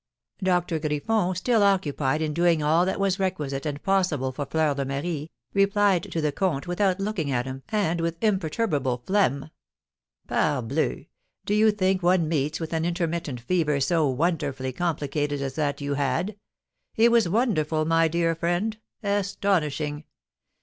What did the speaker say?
Doctor Griffon, still occupied in doing all that was requisite and possible for Fleur de Marie, replied to the comte without looking at him, and with imperturbable phlegm: "Parbleu! Do you think one meets with an intermittent fever so wonderfully complicated as that you had! It was wonderful, my dear friend astonishing!